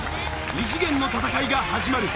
異次元の戦いが始まる。